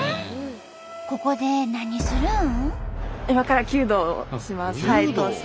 ここで何するん？